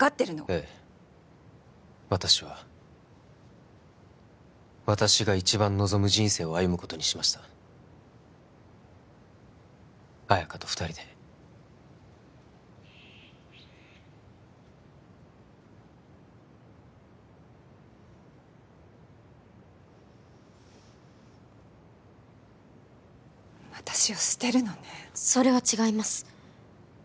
ええ私は私が一番望む人生を歩むことにしました綾華と二人で私を捨てるのねそれは違います